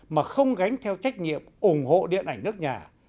mà không gánh theo trách nhiệm ủng hộ điện ảnh nước nhà